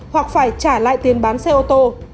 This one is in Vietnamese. hoặc phải trả lại tiền bán xe ô tô